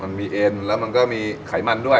มันมีเอ็นแล้วมันก็มีไขมันด้วย